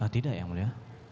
tidak yang mulia